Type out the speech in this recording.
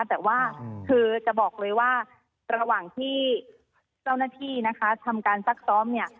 แต่ว่าคือจะบอกเลยว่าระหว่างที่เจ้าหน้าที่นะคะทำการซักซ้อมเนี่ย